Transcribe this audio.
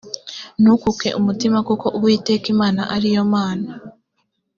ntukuke umutima kuko uwiteka imana ari yo mana